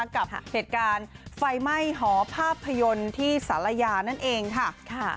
กับเหตุการณ์ไฟไหม้หอภาพยนตร์ที่สารยานั่นเองค่ะ